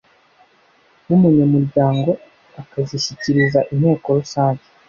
W umunyamuryango akazishyikiriza inteko rusange